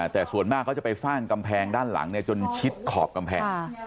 แต่ส่วนมากเขาจะไปสร้างกำแพงด้านหลังจนชิดขอบกำแพง